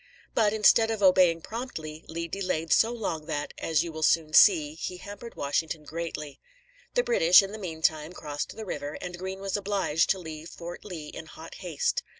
But instead of obeying promptly, Lee delayed so long that, as you will soon see, he hampered Washington greatly. The British, in the meantime, crossed the river, and Greene was obliged to leave Fort Lee in hot haste.